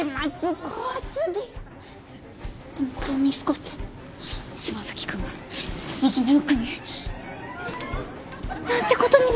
でもこれを見過ごして島崎君がいじめを苦に。なんてことになったら。